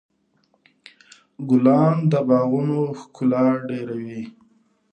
ګلان د باغونو ښکلا ډېروي.